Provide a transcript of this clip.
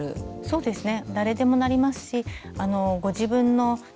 そうなんですね。